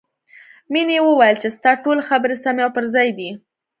مینې وویل چې ستا ټولې خبرې سمې او پر ځای دي